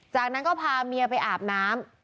จากนั้นก็พาเมียไปอาบน้ำ